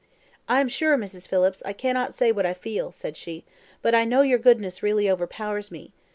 "I am sure, Mrs. Phillips, I cannot say what I feel," said she, "but your goodness really overpowers me.